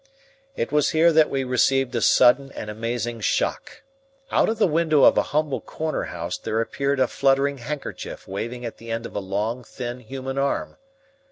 It was here that we received a sudden and amazing shock. Out of the window of a humble corner house there appeared a fluttering handkerchief waving at the end of a long, thin human arm.